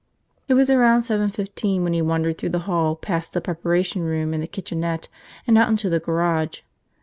It was around seven fifteen when he wandered through the hall past the preparation room and the kitchenette and out into the garage.